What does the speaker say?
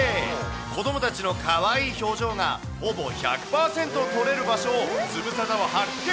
子どもたちのかわいい表情がほぼ１００％撮れる場所をズムサタは発見。